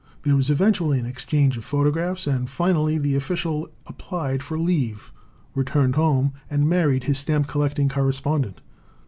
There was eventually an exchange of photographs, and finally the official applied for leave, returned home, and married his stamp collecting correspondent.